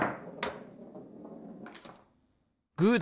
グーだ！